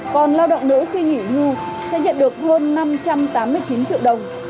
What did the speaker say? còn lao động nữ khi nghỉ hưu sẽ nhận được hơn năm trăm tám mươi chín triệu đồng